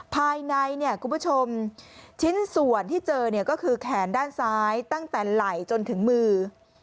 ภายในชิ้นสวนที่เจอก็คือแขนด้านซ้ายตั้งแต่ไหล่จนถึงมือ